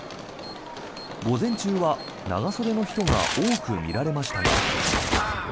午前中は長袖の人が多く見られましたが。